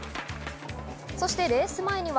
そして、レース前には。